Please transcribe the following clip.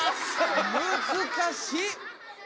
難しい。